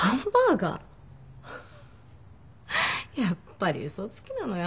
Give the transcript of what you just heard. やっぱり嘘つきなのよ